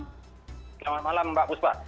selamat malam mbak busba